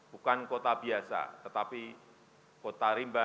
bukan kota biasa tetapi kota rimba